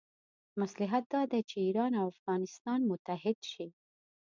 مصلحت دا دی چې ایران او افغانستان متحد شي.